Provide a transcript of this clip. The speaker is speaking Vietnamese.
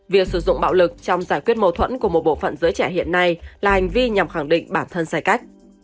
việc sử dụng bạo lực trong giải quyết mâu thuẫn của một bộ phận giới trẻ hiện nay là hành vi nhằm khẳng định bản thân sai cách